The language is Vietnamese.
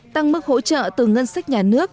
tăng mức hỗ trợ từ ngân sách nhà nước